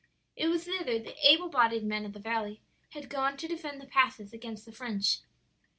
"It was thither the able bodied men of the valley had gone to defend the passes against the French.